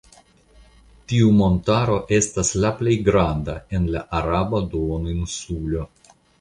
Tiu montaro estas la plej granda en la Araba Duoninsulo.